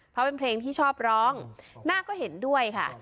เพราะเป็นเพลงที่ชอบร้องหน้าก็เห็นด้วยค่ะ